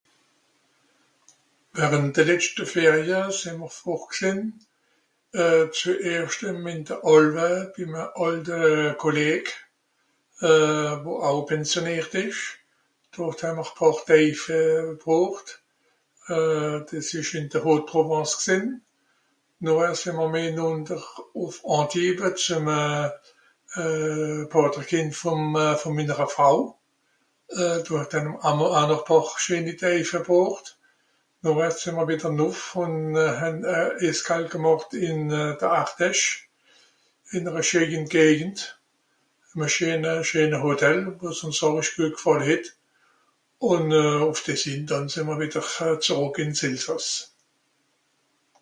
während de letzte ferie se mer vòrt gsehn euh zuertem in de àlve bim à àlte kolleg euh vo euh pensionert esch dort ham er pàr deì verbrort euh des esch in de haute provence gsìn. nàchher sìn mer meh nònder uff antibe euh zùm à euh euh à paterkind vòm vò minere freui euh dò à hat à mer à nòr à nòr pàr scheni deui verbròrt nòrart sìm mer à veder nùff ùn han à escale gemàcht in de ardèch inere schèni gèhiènt im à schènè schènè hotel vò uns òrisch gùt gfàle het ùn ùff des hin dànn sè'mer zòrok ins Elsass